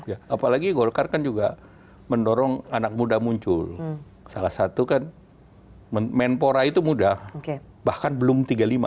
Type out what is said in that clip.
ya apalagi golkar kan juga mendorong anak muda muncul salah satu kan menpora itu muda bahkan belum tiga puluh lima